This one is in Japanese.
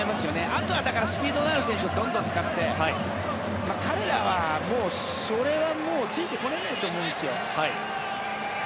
あとはスピードがある選手をどんどん使って彼らはそれはもうついてこれないと思うんですよ。